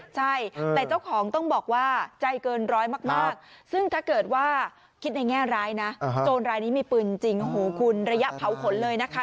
ใช่แต่เจ้าของต้องบอกว่าใจเกินร้อยมากซึ่งถ้าเกิดว่าคิดในแง่ร้ายนะโจรรายนี้มีปืนจริงโอ้โหคุณระยะเผาขนเลยนะคะ